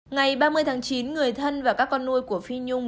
ngày ba mươi tháng chín người thân và các con nuôi của phi nhung